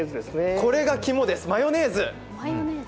これがキモです、マヨネーズ。